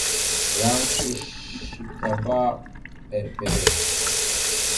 Yan eshekabámber mbere.